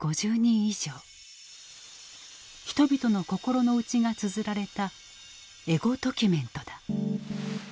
人々の心の内がつづられたエゴドキュメントだ。